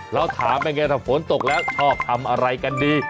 แล้วถามเป็นไงถ้าฝนตกแล้วชอบทำอะไรกันดี